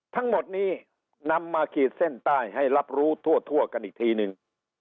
ทั้งหมดนี้นำมาขีดเส้นใต้ให้รับรู้ทั่วกันอีกทีนึง